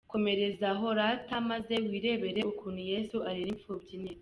Komereza aho rata maze wirebere ukuntu Yesu arera Imfubyi neza.